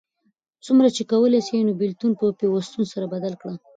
څومره چی کولای سې نو بیلتون په پیوستون سره بدل کړه